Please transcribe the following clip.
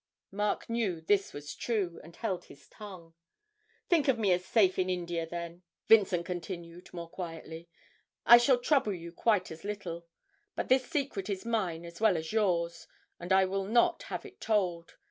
Mark knew this was true, and held his tongue. 'Think of me as safe in India, then,' Vincent continued more quietly. 'I shall trouble you quite as little. But this secret is mine as well as yours and I will not have it told.